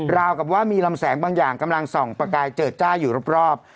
กับว่ามีลำแสงบางอย่างกำลังส่องประกายเจิดจ้าอยู่รอบ